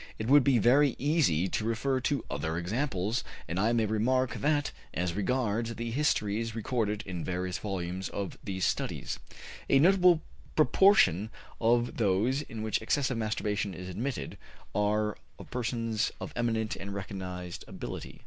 It would be very easy to refer to other examples, and I may remark that, as regards the histories recorded in various volumes of these Studies, a notable proportion of those in which excessive masturbation is admitted, are of persons of eminent and recognized ability.